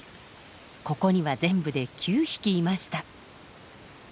ここには全部で９匹いました。